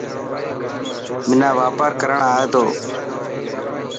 منا واپار ڪرڻ آئي ٿو.